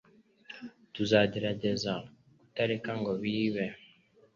Tuzagerageza kutareka ngo bibe.